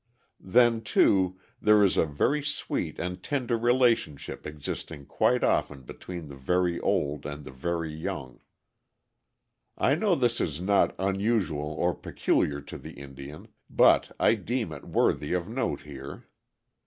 Then, too, there is a very sweet and tender relationship existing quite often between the very old and the very young. I know this is not unusual or peculiar to the Indian, but I deem it worthy of note here.